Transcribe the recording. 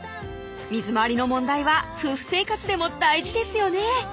水回りの問題は夫婦生活でも大事ですよね